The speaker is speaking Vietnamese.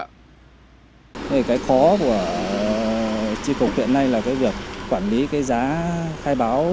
cái khó của chi phục hiện nay là việc quản lý giá khai báo